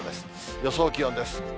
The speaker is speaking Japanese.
予想気温です。